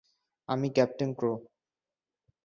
আমি ক্যাপ্টেন ক্রো।